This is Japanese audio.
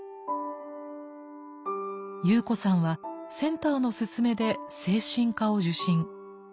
ユウコさんはセンターの勧めで精神科を受診。